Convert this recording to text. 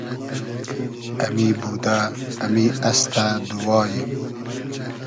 امی بودۂ ، امی استۂ دوواییم